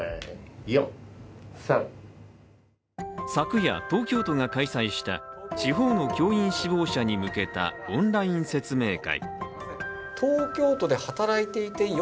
昨夜、東京都が開催した地方の教員志望者に向けたオンライン説明会。